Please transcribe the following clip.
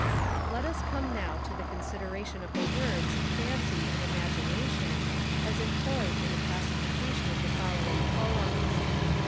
Let us come now to the consideration of the words Fancy and Imagination, as employed in the classification of the following Poems.